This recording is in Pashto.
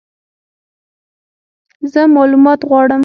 زه مالومات غواړم !